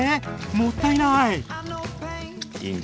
もったいない。